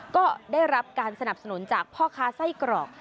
ก็ได้รับการสนับสนุนจากพ่อค้าไส้กรอก